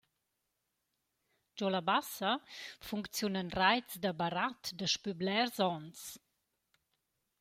Giò la Bassa funcziunan raits da barat daspö blers ons.